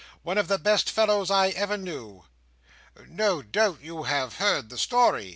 "One of the best fellows I ever knew." "No doubt you have heard the story?"